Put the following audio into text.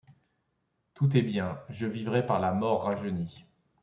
Tout est bien. Je vivrai par la mort rajeuni.